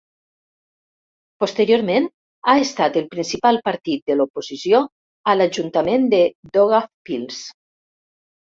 Posteriorment ha estat el principal partit de l'oposició a l'Ajuntament de Daugavpils.